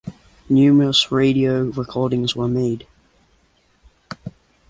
Numerous radio recordings were made.